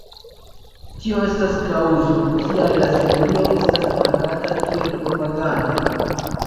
Tio estas kaŭzo, kial la serio estas markata kiel propaganda.